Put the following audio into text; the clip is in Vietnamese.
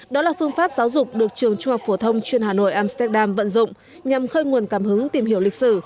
đó là phương pháp giáo dục được trường trung học phổ thông chuyên hà nội amsterdam vận dụng nhằm khơi nguồn cảm hứng tìm hiểu lịch sử